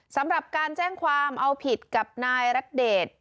สำหรับการแจ้งความเอาผิดกับนายรักเดช